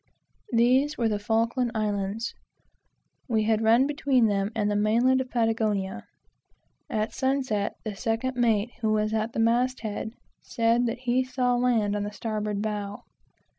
These were the Falkland Islands. We had run between them and the main land of Patagonia. At sun set the second mate, who was at the masthead, said that he saw land on the starboard bow.